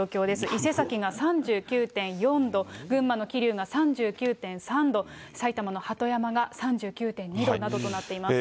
伊勢崎が３９．４度、群馬の桐生が３９．３度、埼玉の鳩山が３９．２度などとなっています。